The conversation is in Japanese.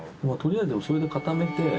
もうとりあえずそれで固めて。